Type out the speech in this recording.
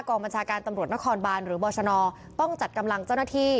บัญชาการตำรวจนครบานหรือบชนต้องจัดกำลังเจ้าหน้าที่